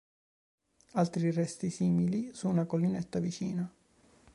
Altri resti simili su una collinetta vicina.